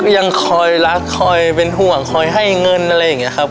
ยังคอยรักคอยเป็นห่วงคอยให้เงินอะไรอย่างนี้ครับ